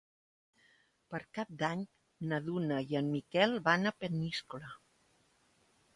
Per Cap d'Any na Duna i en Miquel van a Peníscola.